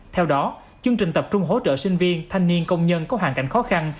theo đó chương trình tập trung hỗ trợ sinh viên thanh niên công nhân có hoàn cảnh khó khăn